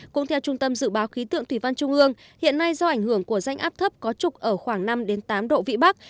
cũng theo trung tâm dự báo khí tượng thủy văn trung ương hiện nay do ảnh hưởng của rãnh áp thấp có trục ở khoảng năm tám độ vĩ bắc